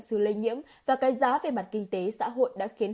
sự lây nhiễm và cái giá về mặt kinh tế xã hội đã khiến